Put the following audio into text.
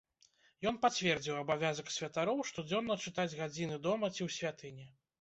Ён пацвердзіў абавязак святароў штодзённа чытаць гадзіны дома ці ў святыні.